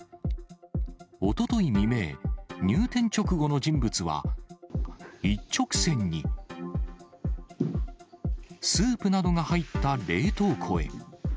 おととい未明、入店直後の人物は一直線に、スープなどが入った冷凍庫へ。